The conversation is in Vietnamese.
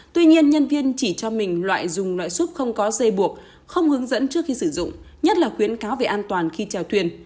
tuy nhiên nhân viên chỉ cho mình loại dùng loại súp không có dây buộc không hướng dẫn trước khi sử dụng nhất là khuyến cáo về an toàn khi trèo thuyền